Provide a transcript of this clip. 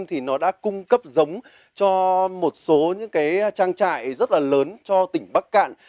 thì nó đã cung cấp giống cho một số trang trại rất là lớn cho tỉnh bắc cạn